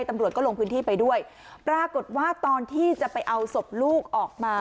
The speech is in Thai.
ตำรวจก็ลงพื้นที่ไปด้วยปรากฏว่าตอนที่จะไปเอาศพลูกออกมา